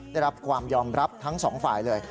ได้รับความยอมรับทั้งสองฝ่ายเลย